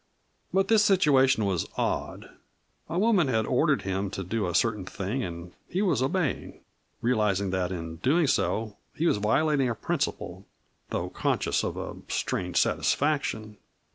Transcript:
But this situation was odd a woman had ordered him to do a certain thing and he was obeying, realizing that in doing so he was violating a principle, though conscious of a strange satisfaction.